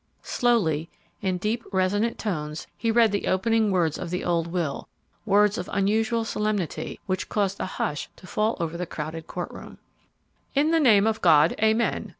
Slowly, in deep, resonant tones, he read the opening words of the old will; words of unusual solemnity, which caused a hush to fall over the crowded court room: "In the name of God; Amen.